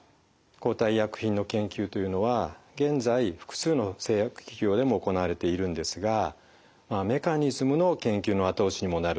抗体医薬品の研究というのは現在複数の製薬企業でも行われているんですがメカニズムの研究の後押しにもなると考えられます。